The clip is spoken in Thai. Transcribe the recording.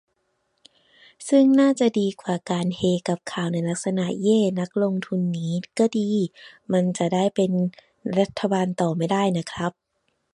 ซึ่งน่าจะดีกว่าการ เฮกับข่าว ในลักษณะ เย้ นักลงทุนหนีก็ดี มันจะได้เป็นรัฐบาลต่อไม่ได้น่ะครับ